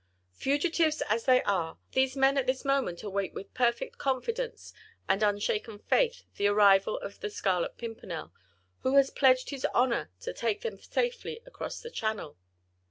"Fugitives as they are, these men at this moment await with perfect confidence and unshaken faith the arrival of the Scarlet Pimpernel, who has pledged his honour to take them safely across the Channel."